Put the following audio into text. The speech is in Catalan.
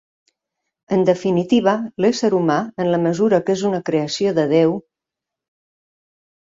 En definitiva, l'ésser humà, en la mesura que és una creació de Déu...